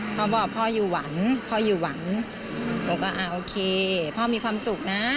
เขาบอกพ่อยู่หวันบอกว่าโอเคพ่อมีความสุขนะ